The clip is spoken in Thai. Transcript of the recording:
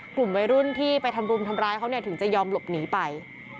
กลุ่มวัยรุ่นที่ไปทำรุมทำร้ายเขาเนี่ยถึงจะยอมหลบหนีไป